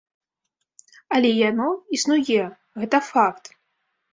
Але яно існуе, гэта факт!